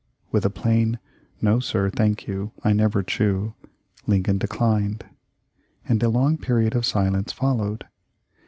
With a plain "No, sir, thank you; I never chew," Lincoln declined, and a long period of silence followed.